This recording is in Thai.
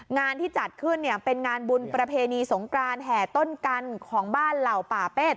งานที่จัดขึ้นเนี่ยเป็นงานบุญประเพณีสงกรานแห่ต้นกันของบ้านเหล่าป่าเป็ด